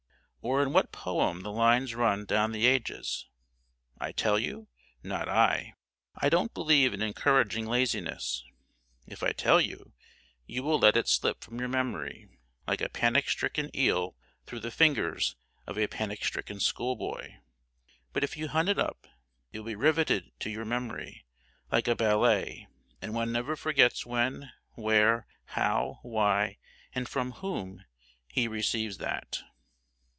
&∨ in what poem the lines run down the ages? I tell you? Not I. I don't believe in encouraging laziness. If I tell you, you will let it slip from your memory, like a panic stricken eel through the fingers of a panic stricken schoolboy; but if you hunt it up, it will be riveted to your memory, like a ballet, and one never forgets when, where, how, why, and from whom, he receives that.